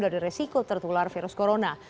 dari resiko tertular virus corona